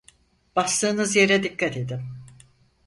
Bastığınız yere dikkat edin.